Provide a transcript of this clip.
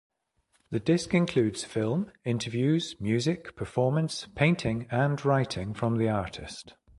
The disc includes film, interviews, music, performance, painting and writing from the artist.